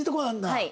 はい。